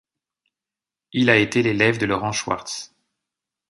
Il a été l'élève de Laurent Schwartz.